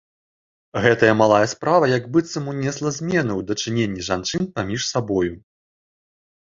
Гэтая малая справа як быццам унесла змену ў дачыненні жанчын паміж сабою.